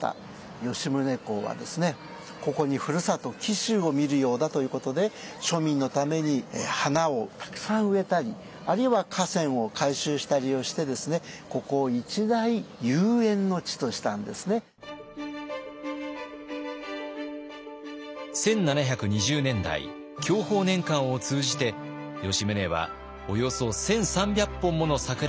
吉宗公はここにふるさと紀州を見るようだということで庶民のために花をたくさん植えたりあるいは河川を改修したりをしてですね１７２０年代享保年間を通じて吉宗はおよそ１，３００本もの桜を江戸城から移植。